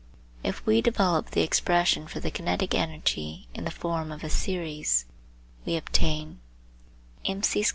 If we develop the expression for the kinetic energy in the form of a series, we obtain eq.